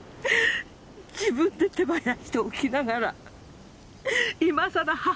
自分で手放しておきながら今さら母親面して。